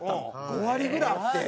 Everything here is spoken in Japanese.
５割ぐらいあって。